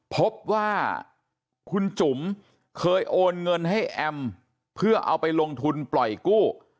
พบว่าคุณจุ๋มเคยโอนเงินให้แอมเพื่อเอาไปลงทุนปล่อยกู้